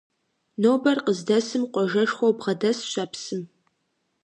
Нобэр къыздэсым къуажэшхуэу бгъэдэсщ а псым.